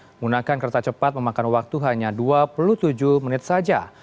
menggunakan kereta cepat memakan waktu hanya dua puluh tujuh menit saja